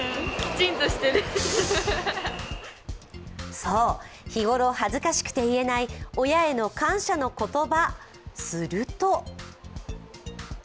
そう、日頃恥ずかしくて言えない、親への感謝の言葉。